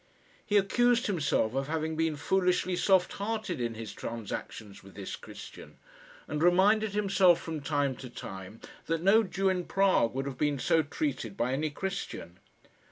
He accused himself of having been foolishly soft hearted in his transactions with this Christian, and reminded himself from time to time that no Jew in Prague would have been so treated by any Christian.